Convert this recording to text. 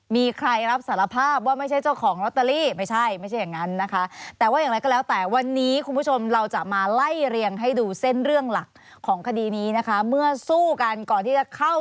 มีใครรับสารภาพว่าไม่ใช่เจ้าของลอตเตอรี่